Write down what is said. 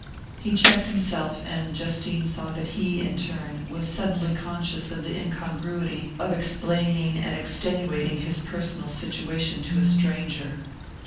He checked himself, and Justine saw that he, in turn, was suddenly conscious of the incongruity of explaining and extenuating his personal situation to a stranger.